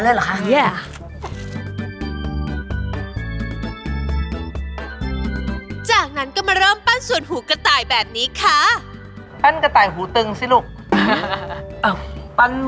เอางั้นเลยเหรอคะเหี้ยอ่ะ